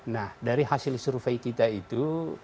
nah dari hasil survei kita itu